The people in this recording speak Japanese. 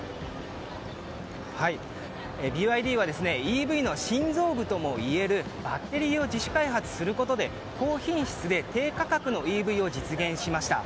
ＢＹＤはＥＶの心臓部ともいえるバッテリーを自主開発することで高品質で低価格のＥＶを実現しました。